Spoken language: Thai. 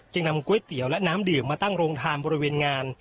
นำก๋วยเตี๋ยวและน้ำดื่มมาตั้งโรงทานบริเวณงาน